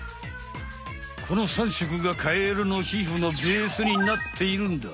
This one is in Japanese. この３色がカエルのひふのベースになっているんだ。